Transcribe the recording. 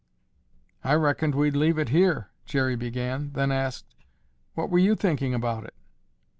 "I reckoned we'd leave it here," Jerry began, then asked, "What were you thinking about it?"